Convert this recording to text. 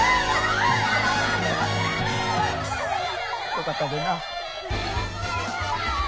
よかったでんなあ。